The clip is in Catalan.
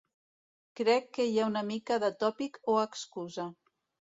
Crec que hi ha una mica de tòpic o excusa.